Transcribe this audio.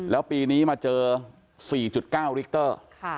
แล้วปีนี้มาเจอ๔๙ลิกเตอร์